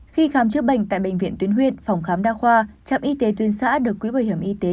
khi khám chữa bệnh tại bệnh viện tuyến huyện phòng khám đa khoa trạm y tế tuyến xã được quỹ bảo hiểm y tế